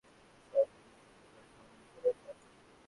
চাকরী না থাকলে ঘরে সম্মান থাকে না।